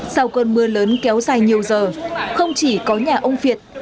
sau cơn mưa lớn kéo dài nhiều giờ không chỉ có nhà ông việt